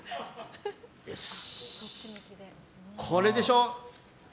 これでしょ。